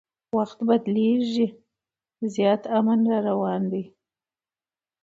وخت بدلیږي زیاتي امن را روان دی